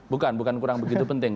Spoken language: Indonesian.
bukan bukan kurang begitu penting